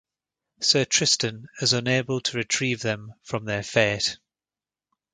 Sir Tristan is unable to retrieve them from their fate.